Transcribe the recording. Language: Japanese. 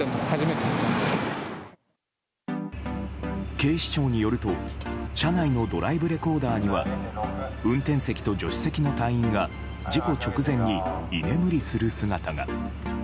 警視庁によると車内のドライブレコーダーには運転席と助手席の隊員が事故直前に居眠りする姿が。